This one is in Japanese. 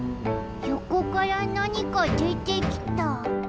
よこからなにかでてきた。